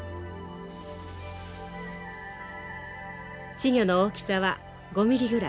稚魚の大きさは５ミリぐらい。